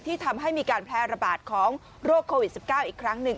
ทำให้มีการแพร่ระบาดของโรคโควิด๑๙อีกครั้งหนึ่ง